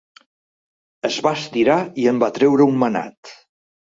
Es va estirar i en va treure un manat.